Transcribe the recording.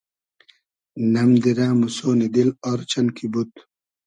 نئم دیرۂ موسۉنی دیل آر چئن کی بود